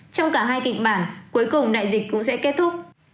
trong cả hai kịch bản cuối cùng đại dịch cũng sẽ kết thúc